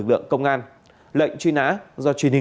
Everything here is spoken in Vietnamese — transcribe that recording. cảm ơn quý vị đã theo dõi